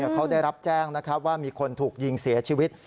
เขาได้รับแจ้งว่ามีคนถูกยิงเสียชีวิต